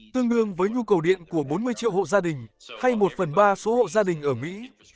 tương đương với nhu cầu điện của bốn mươi triệu hộ gia đình hay một phần ba số hộ gia đình ở mỹ